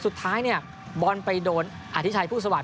สุดท้ายเนี่ยบอลไปโดนอธิชัยผู้สวรร